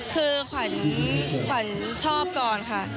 คือขวัญชอบก่อนค่ะ